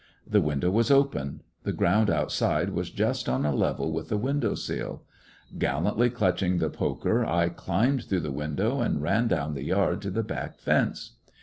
The window was open. The ground outside was just on a level with the window sill. Grallantly clutching the poker, 154 lyiissionarY in tge Great West I climbed through the window and ran down the yard to the back fence.